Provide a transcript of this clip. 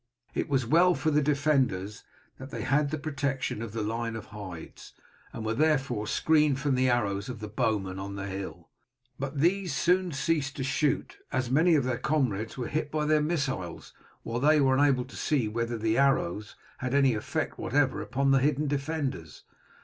It was well for the defenders that they had the protection of the line of hides, and were therefore screened from the arrows of the bowmen on the hill; but these soon ceased to shoot, as many of their comrades were hit by their missiles, while they were unable to see whether the arrows had any effect whatever upon the hidden defenders.